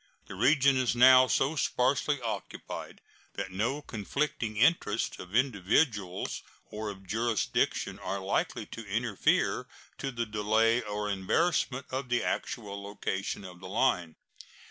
The region is now so sparsely occupied that no conflicting interests of individuals or of jurisdiction are likely to interfere to the delay or embarrassment of the actual location of the line.